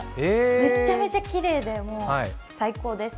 めっちゃめちゃきれいで最高です。